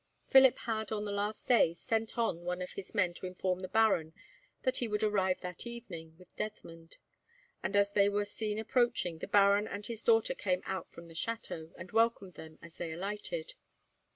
Philip had, on the last day, sent on one of his men to inform the baron that he would arrive that evening with Desmond, and as they were seen approaching, the baron and his daughter came out from the chateau, and welcomed them as they alighted.